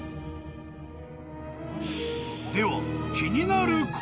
［では］